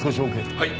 はい。